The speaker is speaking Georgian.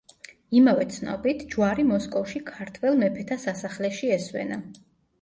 იმავე ცნობით, ჯვარი მოსკოვში ქართველ მეფეთა სასახლეში ესვენა.